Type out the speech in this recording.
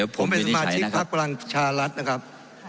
ผมเป็นสมาชิกภักดิ์พลังชาลัศน์นะครับ